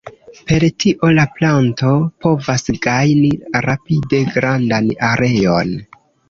Per tio la planto povas gajni rapide grandan areon.